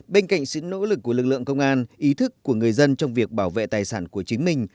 bên cạnh sự nỗ lực của lực lượng công an ý thức của người dân trong việc bảo vệ tài sản của chính mình